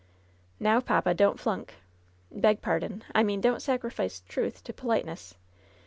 "Now, papa, don't flunk. Beg pardon. I mean, don't sacrifice truth to politeness.